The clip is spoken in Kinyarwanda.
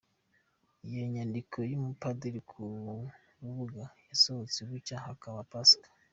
Iyo nyandiko y’umupadiri ku urubuga, yasohotse bucya hakaba Pasika.